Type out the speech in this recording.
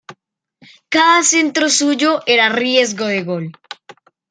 Cada centro suyo era riesgo de gol.